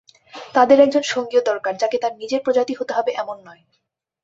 তাদের একজন সঙ্গীও দরকার, যাকে তার নিজের প্রজাতি হতে হবে এমন নয়।